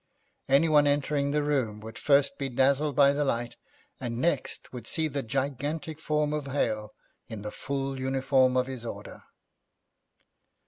Anyone entering the room would first be dazzled by the light, and next would see the gigantic form of Hale in the full uniform of his order.